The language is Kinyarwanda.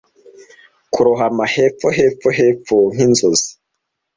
Kurohama hepfo, hepfo, hepfo nkinzozi!